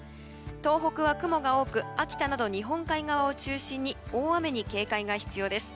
東北は雲が多く秋田など日本海側を中心に大雨に警戒が必要です。